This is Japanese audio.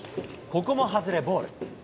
ここも外れボール。